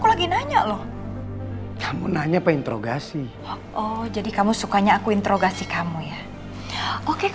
aku pernah tinggal ketype